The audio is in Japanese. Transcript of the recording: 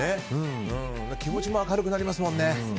気持ちも明るくなりますもんね。